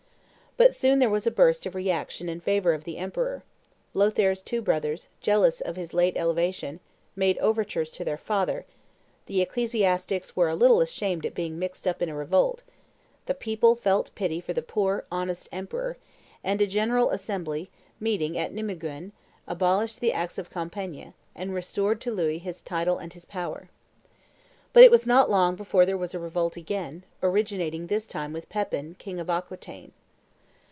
But soon there was a burst of reaction in favor of the emperor; Lothaire's two brothers, jealous of his late elevation, made overtures to their father; the ecclesiastics were a little ashamed at being mixed up in a revolt; the people felt pity for the poor, honest emperor; and a general assembly, meeting at Nimeguen, abolished the acts of Compiegne, and restored to Louis his title and his power. But it was not long before there was revolt again, originating this time with Pepin, king of Aquitaine.